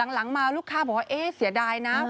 หลังมาลูกค้าบอกว่าเสียดายนะ